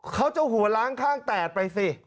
เขาจะหัวล้างข้างแตกไปสิ